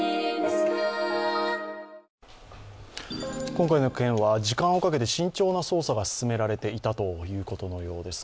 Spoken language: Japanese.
今回の件は時間をかけて慎重な捜査が進められていたようです。